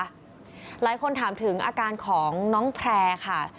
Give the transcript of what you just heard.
หลายคนถามถึงอาการของน้องแพร่ค่ะ